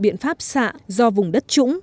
biện pháp xạ do vùng đất trũng